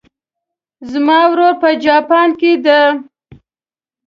زما ورور په جاپان کې ده